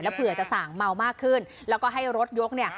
เผื่อจะสั่งเมามากขึ้นแล้วก็ให้รถยกเนี่ย